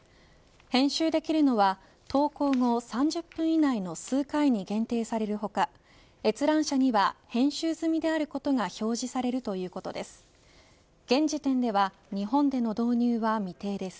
編集できるのは投稿後３０分以内の数回に限定される他閲覧者には編集済みであることが表示されるということです。